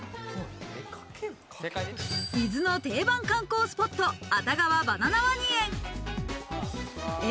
伊豆の定番観光スポット・熱川バナナワニ園。